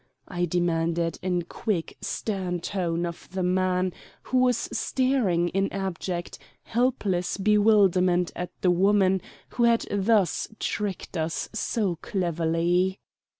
I demanded in a quick, stern tone of the man who was staring in abject helpless bewilderment at the woman who had thus tricked us so cleverly.